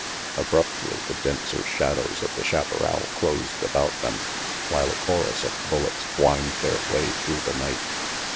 Abruptly the denser shadows of the chaparral closed about them, while a chorus of bullets whined their way through the night.